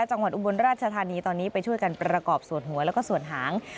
อุบลราชธานีตอนนี้ไปช่วยกันประกอบส่วนหัวแล้วก็ส่วนหาง